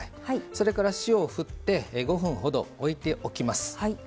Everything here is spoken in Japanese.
それから塩を振って５分ほどおいておきます。